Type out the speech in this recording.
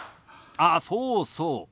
あっそうそう。